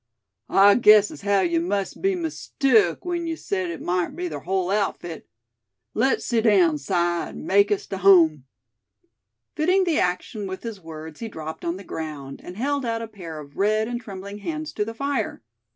"I guessed as haow yuh must a be'n mistook w'en yuh said it mout be ther hull outfit. Les sit down, Si, an' make us tuh hum." Fitting the action with his words he dropped on the ground, and held out a pair of red and trembling hands to the fire.